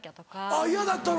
あっ嫌だったの？